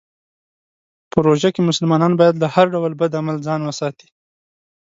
په روژه کې مسلمانان باید له هر ډول بد عمل ځان وساتي.